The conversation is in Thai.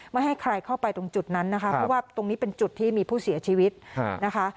ไม่ให้ใครเข้าไปตรงจุดนั้นนะคะเพราะว่าตรงนี้เป็นจุดที่มีผู้เสียชีวิตนะคะ